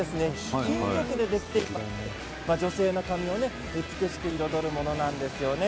金属でできている女性の髪を美しく彩るものなんですよね。